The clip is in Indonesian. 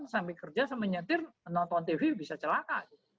sambil kerja sambil nyetir nonton tv bisa celaka